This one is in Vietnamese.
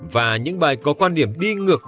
và những bài có quan điểm đi ngược